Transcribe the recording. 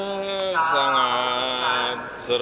semoga selamat bertemu saya dengan kejuan